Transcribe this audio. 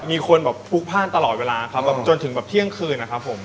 มีคนแบบพลุกพ่านตลอดเวลาครับแบบจนถึงแบบเที่ยงคืนนะครับผม